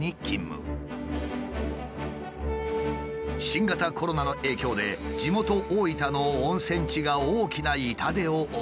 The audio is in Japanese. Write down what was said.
新型コロナの影響で地元大分の温泉地が大きな痛手を負う中。